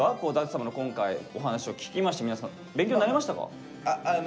舘様の今回お話を聞きまして皆さん勉強になりましたか？